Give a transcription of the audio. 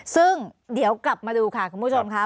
ซึ่งเดี๋ยวกลับมาดูค่ะคุณผู้ชมค่ะ